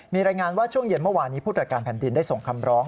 มีรายงานว่าช่วงเย็นเมื่อวานนี้ผู้ตรวจการแผ่นดินได้ส่งคำร้อง